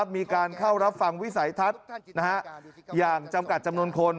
มีการเข้ารับฟังวิสัยทัศน์อย่างจำกัดจำนวนคน